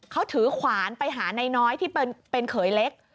เขาถือขวานไปหานายน้อยที่เป็นเขยเล็ก